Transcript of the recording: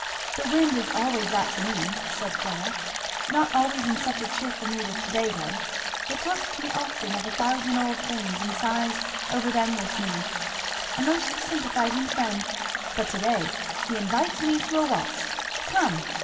"The wind is always that to me," said Fleda, "not always in such a cheerful mood as to day, though. It talks to me often of a thousand old time things and sighs over them with me a most sympathizing friend! but to day he invites me to a waltz Come!